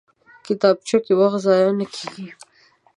کتابچه کې وخت ضایع نه کېږي